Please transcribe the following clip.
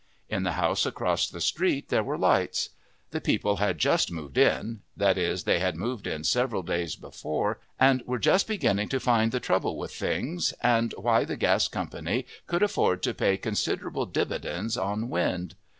In the house across the street there were lights. The people had just moved in that is, they had moved in several days before and were just beginning to find the trouble with things and why the gas company could afford to pay considerable dividends on wind.